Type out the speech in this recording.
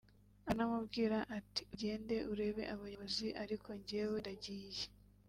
aranamubwira ati ‘ugende urebe abayobozi ariko njyewe ndagiye’